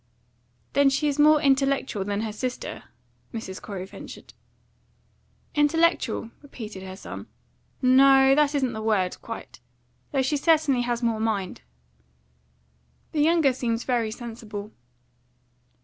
"Then she is more intellectual than her sister?" Mrs. Corey ventured. "Intellectual?" repeated her son. "No; that isn't the word, quite. Though she certainly has more mind." "The younger seemed very sensible."